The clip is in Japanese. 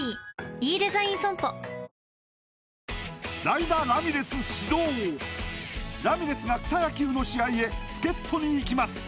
代打ラミレス始動ラミレスが草野球の試合へ助っ人に行きます